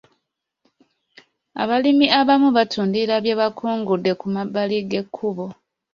Abalimi abamu batundira bye bakungudde ku mabbali g'ekkubo.